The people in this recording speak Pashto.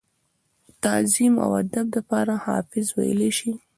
تعظيم او ادب دپاره حافظ وئيلی شي ۔